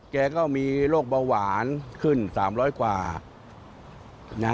แกก็มีโรคเบาหวานขึ้นสามร้อยกว่านะ